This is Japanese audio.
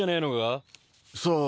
さあ。